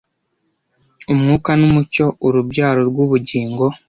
Umwuka n'umucyo - urubyaro rw'ubugingo!